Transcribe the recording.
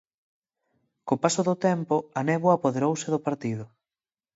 Co paso do tempo a néboa apoderouse do partido.